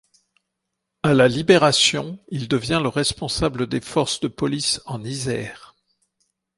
À la Libération, il devient le responsable des forces de police en Isère.